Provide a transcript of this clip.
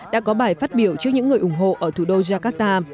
đã có bài phát biểu trước những người ủng hộ ở thủ đô jakarta